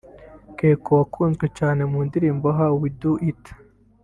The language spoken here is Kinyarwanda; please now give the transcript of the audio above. Keko wakunzwe cyane mu ndirimbo How we do it